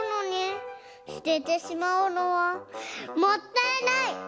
すててしまうのはもったいない。